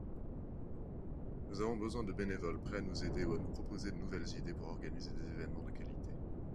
nous avons besoin de bénévoles prêts à nous aider ou à nous proposer de nouvelles idées pour organiser des évènements de qualité.